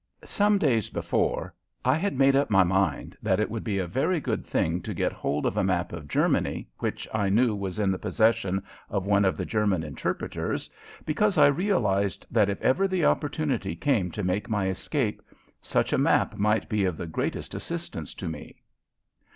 Some days before I had made up my mind that it would be a very good thing to get hold of a map of Germany which I knew was in the possession of one of the German interpreters, because I realized that if ever the opportunity came to make my escape such a map might be of the greatest assistance to me.